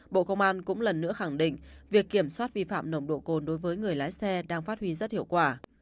bộ công an cũng lần nữa khẳng định việc kiểm soát vi phạm nồng độ cồn đối với người lái xe đang phát huy rất hiệu quả